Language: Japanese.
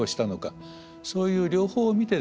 そういう両方を見てですね。